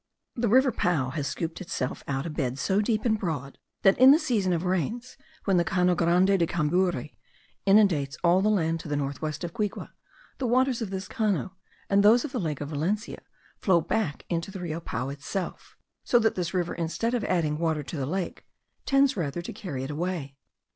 The Rio Pao has scooped itself out a bed so deep and broad, that in the season of rains, when the Cano Grande de Cambury inundates all the land to the north west of Guigue, the waters of this Cano, and those of the lake of Valencia, flow back into the Rio Pao itself; so that this river, instead of adding water to the lake, tends rather to carry it away.